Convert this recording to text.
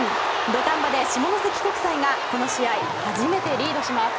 土壇場で下関国際がこの試合、始めてリードします。